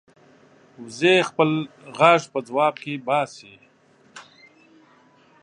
وزې خپل غږ په ځواب کې باسي